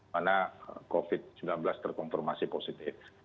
mana covid sembilan belas terkonfirmasi positif